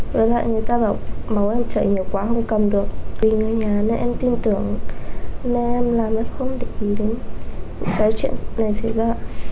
với lại người ta bảo máu em chảy nhiều quá không cầm được vì người nhà nên em tin tưởng nên em làm em không để ý đến cái chuyện này xảy ra